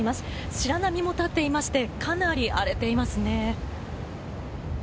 白波も立っていましてかなり荒れていますね。